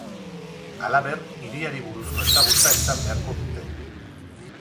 Halaber, hiriari buruzko ezagutza izan beharko dute.